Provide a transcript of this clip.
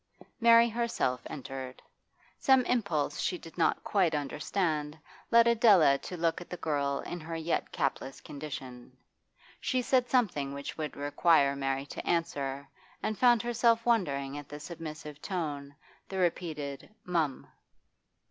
Mary herself entered. Some impulse she did not quite understand led Adela to look at the girl in her yet capless condition. She said something which would require Mary to answer, and found herself wondering at the submissive tone, the repeated 'Mum.